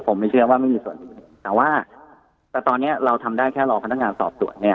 ผมไม่เชื่อว่าไม่มีส่วนอื่นแต่ว่าแต่ตอนนี้เราทำได้แค่รอพนักงานสอบสวนเนี่ย